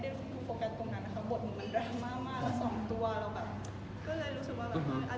ด้วยเหมือนเราไม่ได้โปรแกรท์ตรงครั้งอาการบทดุงดันมาก๒ปี